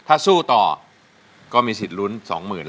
ถ้าสู้ต่อก็มีสิทธิ์ลุ้นสองหมื่น